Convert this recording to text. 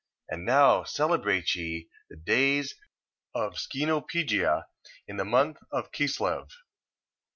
1:9. And now celebrate ye the days of Scenopegia in the month of Casleu.